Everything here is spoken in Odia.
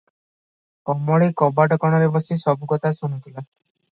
କମଳୀ କବାଟ କଣରେ ବସି ସବୁ କଥା ଶୁଣୁଥିଲା ।